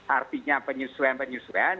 artinya penyesuaian penyesuaian